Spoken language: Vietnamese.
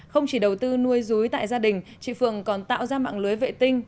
không chỉ đầu tư nuôi rúi tại gia đình chị phượng còn tạo ra mạng lưới vệ tinh